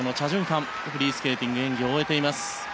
フリースケーティングの演技を終えています。